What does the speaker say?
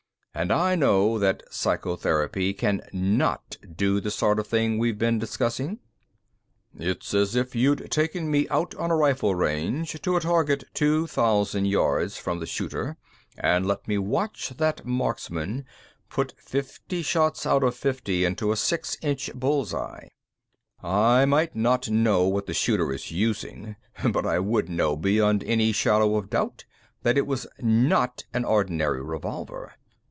And I know that psychotherapy can not do the sort of thing we've been discussing. "It's as if you'd taken me out on a rifle range, to a target two thousand yards from the shooter and let me watch that marksman put fifty shots out of fifty into a six inch bull's eye. I might not know what the shooter is using, but I would know beyond any shadow of doubt that it was not an ordinary revolver.